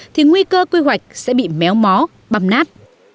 thì nguy cơ quy hoạch sẽ bị méo mó băm nát